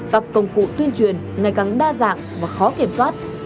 các công cụ tuyên truyền ngày càng đa dạng và khó kiểm soát